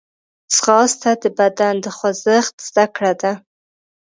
ځغاسته د بدن د خوځښت زدهکړه ده